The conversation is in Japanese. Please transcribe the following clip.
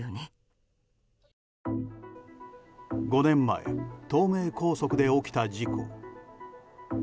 ５年前東名高速で起きた事故。